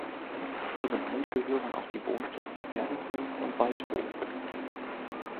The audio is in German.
Zur Gemeinde gehören auch die Wohnplätze Erlenhof und Waldhof.